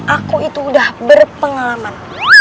aku itu udah berpengalaman